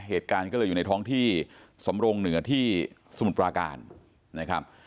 เหตุการณ์ก็เลยอยู่ในท้องที่สำรงเหนือที่สมุทรปราการนะครับ